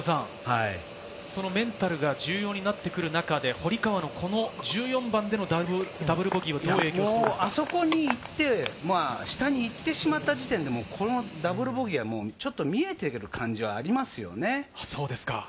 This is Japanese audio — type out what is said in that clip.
丸山さん、そのメンタルが重要になってくる中で、堀川の１４番でのダブルボギーはどう影あそこに行ってしまった時点でダブルボギーはもう見えている感じはありますよね。